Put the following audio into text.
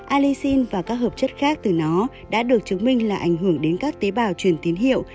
alixin và các hợp chất khác từ nó đã được chứng minh là ảnh hưởng đến các tế bào truyền tín hiệu